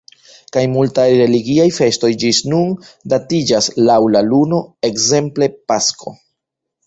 Kaj multaj religiaj festoj ĝis nun datiĝas laŭ la luno, ekzemple pasko.